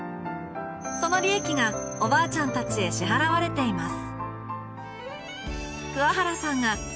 その利益がおばあちゃんたちへ支払われています